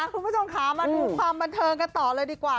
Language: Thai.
คุณผู้ชมค่ะมาดูความบันเทิงกันต่อเลยดีกว่า